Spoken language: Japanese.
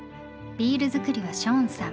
ビール造りはショーンさん。